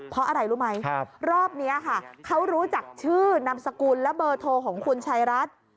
เพราะอะไรรู้ไหมรอบนี้ค่ะเขารู้จักชื่อนามสกุลและเบอร์โทรของคุณชายรัฐ